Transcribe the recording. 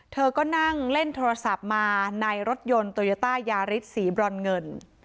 เธอก็นั่งเล่นโทรศัพท์มาในรถยนต์โตโยต้ายาริสสีบรอนเงิน